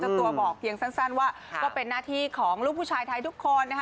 ตัวบอกเพียงสั้นว่าก็เป็นหน้าที่ของลูกผู้ชายไทยทุกคนนะคะ